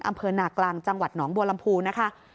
อำเภอนากลางจังหวัดหนองบัวลำพูนะคะ